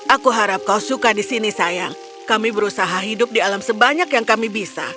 aku harap kau suka di sini sayang kami berusaha hidup di alam sebanyak yang kami bisa